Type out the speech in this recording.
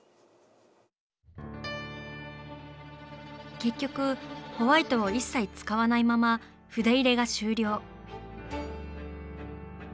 結局ホワイトを一切使わないまま筆入れが終了。